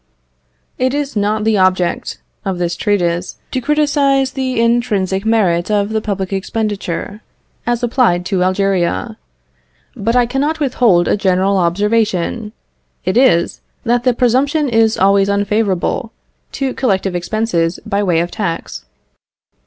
It is not the object of this treatise to criticise the intrinsic merit of the public expenditure as applied to Algeria, but I cannot withhold a general observation. It is, that the presumption is always unfavourable to collective expenses by way of tax.